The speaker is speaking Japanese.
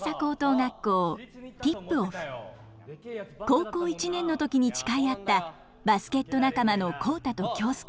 高校１年の時に誓い合ったバスケット仲間の浩太と京介。